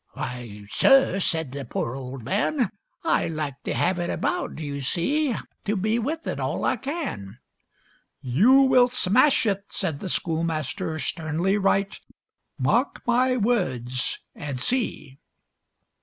"Why, Sir," said the poor old man, "I like to have it about, do you see? To be with it all I can." "You will smash it," said the schoolmaster, sternly right, "Mark my words and see!"